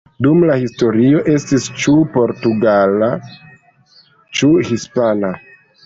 Dum la historio estis ĉu portugala ĉu hispana.